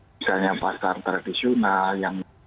misalnya pasar tradisional yang